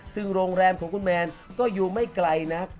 ซึ่งโรงแรมของคุณแมนก็อยู่ไม่ไกลนัก